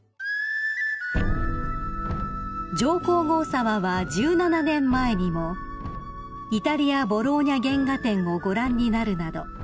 ［上皇后さまは１７年前にもイタリア・ボローニャ原画展をご覧になるなど